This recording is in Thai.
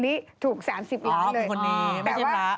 คนนี้ถูก๓๐ล้านเลยอ๋อคนนี้ไม่ใช่ละ